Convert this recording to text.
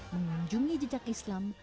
menunjungi jejak islam